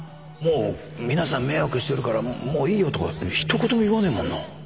皆さん迷惑してるからもういいよとか一言も言わねえもんな。